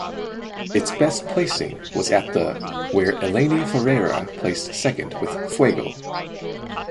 Its best placing was at the where Eleni Foureira placed second with "Fuego".